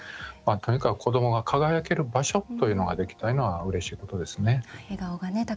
とにかく子どもが輝ける場所ができたのは、うれしいことですね。